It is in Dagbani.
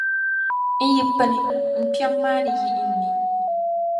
n yi pini, n kpiɔŋ maa ni yi n ni.